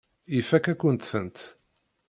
Ifakk-akent-tent.